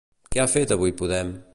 Què ha fet avui Podem?